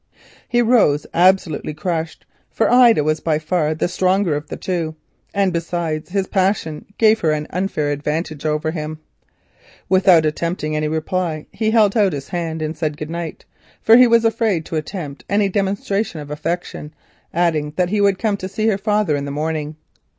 He rose absolutely crushed, for Ida was by far the stronger of the two, and besides, his passion gave her an unfair advantage over him. Without attempting a reply he held out his hand and said good night, for he was afraid to venture on any demonstration of affection, adding that he would come to see her father in the morning.